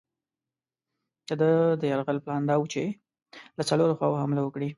د ده د یرغل پلان دا وو چې له څلورو خواوو حمله وکړي.